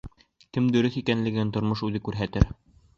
Кем дөрөҫ икәнлеген тормош үҙе күрһәтер.